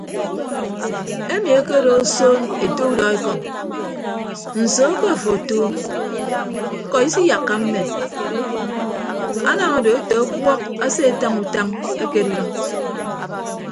Emi ekedo osoon ete udọekọñ nso ke afo otuum ñkọ isiyakka mme anam ado ete ọkuọk asetañ utañ ekere idʌñ.